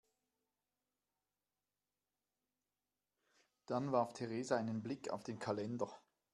Dann warf Theresa einen Blick auf den Kalender.